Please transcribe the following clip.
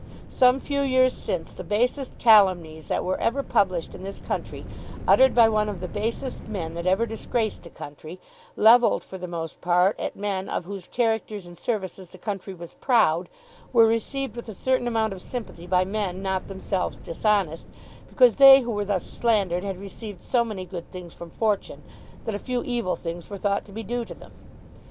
Some few years since, the basest calumnies that were ever published in this country, uttered by one of the basest men that ever disgraced the country, levelled, for the most part, at men of whose characters and services the country was proud, were received with a certain amount of sympathy by men not themselves dishonest, because they who were thus slandered had received so many good things from Fortune, that a few evil things were thought to be due to them.